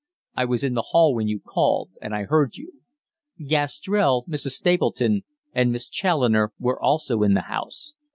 "I was in the hall when you called, and I heard you. Gastrell, Mrs. Stapleton, and Miss Challoner were also in the house.